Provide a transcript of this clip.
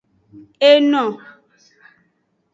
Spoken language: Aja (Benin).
Eno.